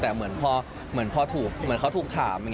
แต่เหมือนพอถูกเหมือนเขาถูกถาม